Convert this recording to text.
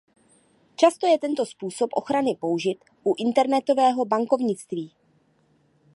Často je tento způsob ochrany použit u internetového bankovnictví.